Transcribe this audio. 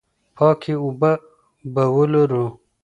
پاکې اوبه به ولرو.